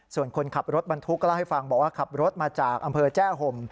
ส่วนคนขับรถบรรทุกก็เล่าให้ฟังบอกว่าขับรถมาจากอำเภอแจ้ห่ม